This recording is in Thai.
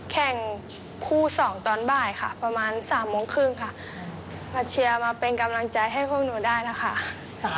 แข่งคู่๒ตอนบ่ายค่ะประมาณ๓โมงครึ่งค่ะมาเชียร์มาเป็นกำลังใจให้พวกหนูได้นะคะ